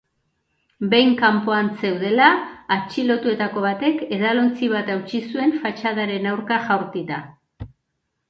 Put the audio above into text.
Behin kanpoan zeudela, atxilotuetako batek edalontzi bat hautsi zuen fatxadaren aurka jaurtita.